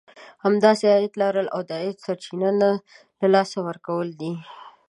همداسې عايد لرل او د عايد سرچينه نه له لاسه ورکول دي.